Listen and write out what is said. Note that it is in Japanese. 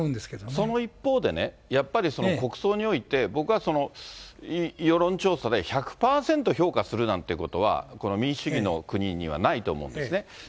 その一方でね、やっぱり国葬において、僕は、世論調査で１００％評価するなんていうことは、この民主主義の国にはないと思うんですね。